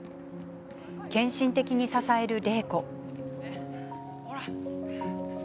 献身的に支える令子。